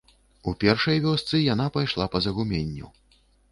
У першай вёсцы яна пайшла па загуменню.